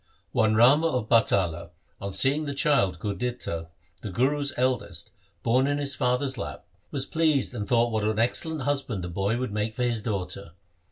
One Rama of Batala on seeing the child Gurditta the Guru's eldest born in his father's lap, was pleased and thought what an excellent husband the boy would make for his daughter.